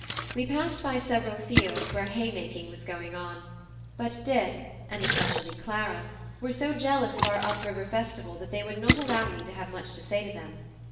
We passed by several fields where haymaking was going on, but Dick, and especially Clara, were so jealous of our up river festival that they would not allow me to have much to say to them.